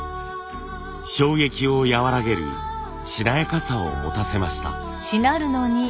衝撃を和らげるしなやかさを持たせました。